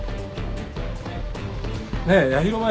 ねえ八尋舞